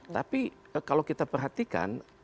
tapi kalau kita perhatikan